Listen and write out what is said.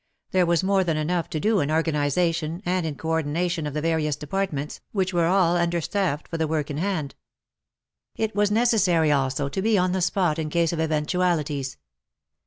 There was more than enough to do in organization and in co ordination of the various departments, which were all under staffed for the work in hand. It was necessary also to be on the spot in case of eventualities.